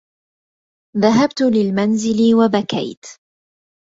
ذهبت للمنزل وبكيت.